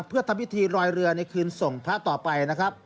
เพื่อทำพิธีรอยเรือในคืนส่งพระต่อไปนะครับ